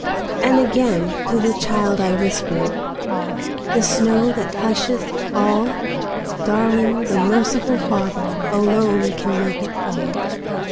And again to the child I whispered,"The snow that husheth all, Darling, the merciful FatherAlone can make it fall!"